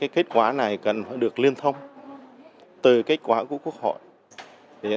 kết quả này cần phải được liên thông từ kết quả của quốc hội